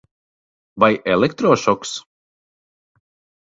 Vai elektrošoks?